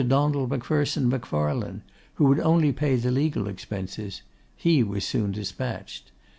Donald Macpherson Macfarlane, who would only pay the legal expenses; he was soon despatched.